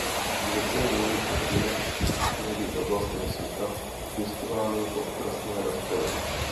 Některé druhy jsou v klimaticky příhodných oblastech světa pěstovány jako okrasné rostliny.